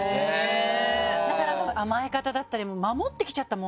だから甘え方だったりも守ってきちゃったもんだから。